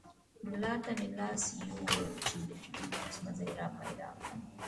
ملا ته مې لاس يووړ چې د فيوز مزي راپيدا کړم.